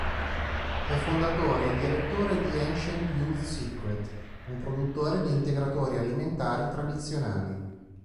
È fondatore e direttore di Ancient Youth Secret, un produttore di integratori alimentari tradizionali.